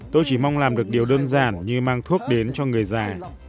tôi chỉ mong làm được điều đơn giản như mang thuốc đến cho người già